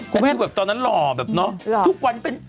แล้วแต่ตอนนั้นหล่อแบบเนอะทุกวันเป็น